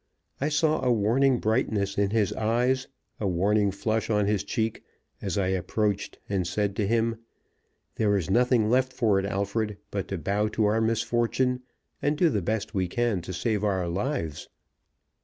I saw a warning brightness in his eyes, a warning flush on his cheek, as I approached and said to him: "There is nothing left for it, Alfred, but to bow to our misfortune, and do the best we can to save our lives."